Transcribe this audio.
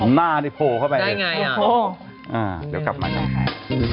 หน้าที่โพลเข้าไป